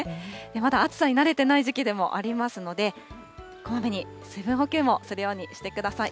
まだ暑さに慣れてない時期でもありますので、こまめに水分補給もするようにしてください。